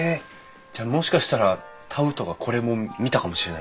じゃあもしかしたらタウトがこれも見たかもしれないってことですか？